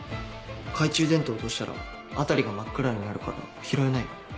懐中電灯を落としたら辺りが真っ暗になるから拾えないよ。